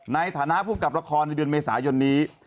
ในฐานะภูมิกับละครในเดือนเมษายนนี้